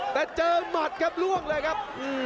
แต่เจอหมัดครับล่วงเลยครับ